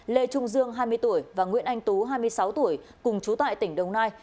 lê trung dương hai mươi tuổi và nguyễn anh tú hai mươi sáu tuổi cùng chú tại tỉnh đồng nai